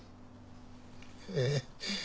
ええ。